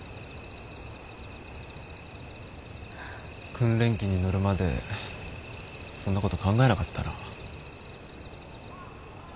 訓練機に乗るまでそんなこと考えなかったな。